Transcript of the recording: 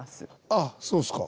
あっそうですか。